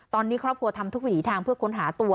ตอนนี้ครอบครัวทำทุกวิถีทางเพื่อค้นหาตัว